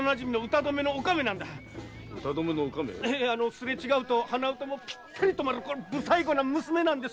すれ違うと鼻歌もピッタリ止まる不細工な娘なんです。